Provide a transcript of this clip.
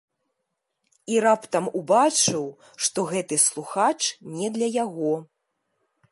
І раптам убачыў, што гэты слухач не для яго.